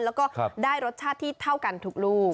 แล้วก็ได้รสชาติที่เท่ากันทุกลูก